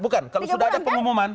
kalau sudah ada pengumuman